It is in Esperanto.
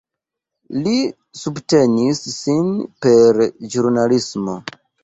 Li subtenis sin per ĵurnalismo.